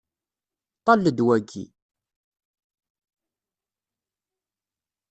Ṭṭal-d waki.